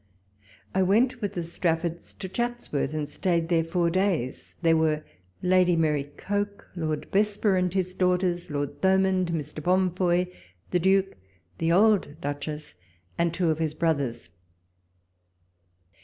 I went with the StraSords to Chatsworth and stayed there four days ; there were Lady Mary Coke, Lord Bes borough and his daughters, Lord Thomond, Mr. Boufoy, the Duke, the old Duchess, and two of his brothers.